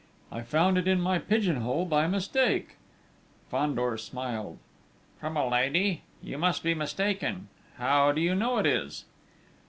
I found it in my pigeon hole by mistake!" Fandor smiled. "From a lady?... You must be mistaken!... How do you know it is?"